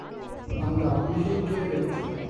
அந்த அம்பிகைக்கே வெளிச்சம்!